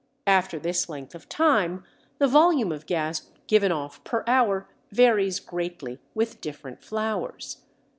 After this length of time the volume of gas given off per hour varies greatly with different flours.